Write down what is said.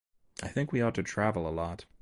I think we ought to travel a lot.